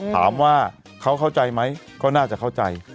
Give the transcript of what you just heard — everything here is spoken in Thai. ถามว่าเขาเข้าใจไหมก็น่าจะเข้าใจ